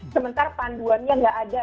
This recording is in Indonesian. sementara panduannya nggak ada